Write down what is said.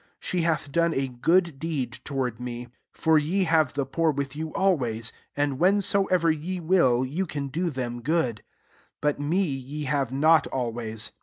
She hath done a good deed toward me. 7 For ye have the poor with you always ; and, whensoever ye will, ye can do them good^ but me ye have not always.